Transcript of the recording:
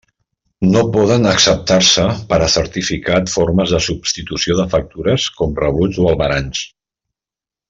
No poden acceptar-se per a certificat formes de substitució de factures, com rebuts o albarans.